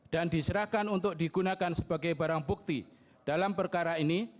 dan diserahkan untuk digunakan sebagai barang bukti dalam perkara ini